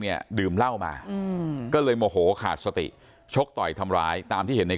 เนี่ยดื่มเหล้ามาอืมก็เลยโมโหขาดสติชกต่อยทำร้ายตามที่เห็นใน